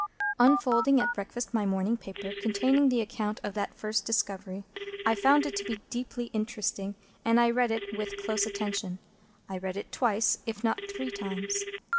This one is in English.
Unfolding at breakfast my morning paper, containing the account of that first discovery, I found it to be deeply interesting, and I read it with close attention. I read it twice, if not three times.